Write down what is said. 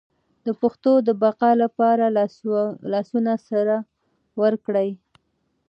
د پښتو د بقا لپاره لاسونه سره ورکړئ.